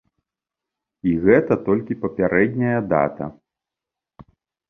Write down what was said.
І гэта толькі папярэдняя дата.